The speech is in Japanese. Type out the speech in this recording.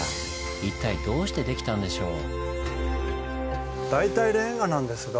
一体どうして出来たんでしょう？